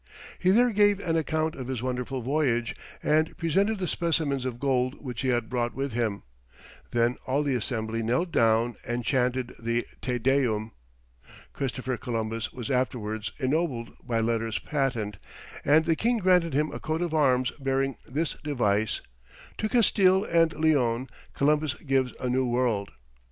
He there gave an account of his wonderful voyage, and presented the specimens of gold which he had brought with him; then all the assembly knelt down and chanted the Te Deum. Christopher Columbus was afterwards ennobled by letters patent, and the king granted him a coat of arms bearing this device: "To Castille and Leon, Columbus gives a New World."